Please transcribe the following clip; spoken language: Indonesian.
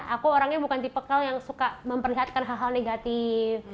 aku orangnya bukan tipekal yang suka memperlihatkan hal hal negatif